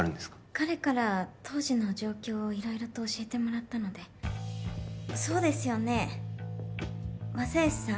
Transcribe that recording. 彼から当時の状況を色々と教えてもらったのでそうですよね正義さん？